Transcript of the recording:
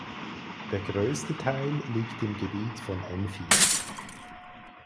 Der größte Teil liegt im Gebiet von Enfield.